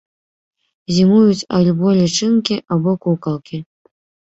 Зімуюць альбо лічынкі або кукалкі.